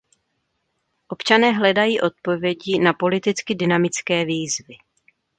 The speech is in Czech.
Občané hledají odpovědi na politicky dynamické výzvy.